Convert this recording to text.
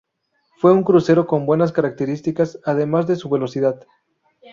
Fue un crucero con buenas características, además de su velocidad.